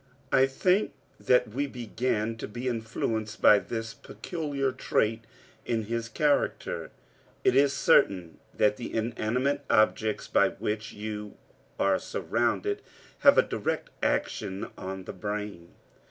I think that we began to be influenced by this peculiar trait in his character. It is certain that the inanimate objects by which you are surrounded have a direct action on the brain.